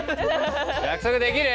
約束できる？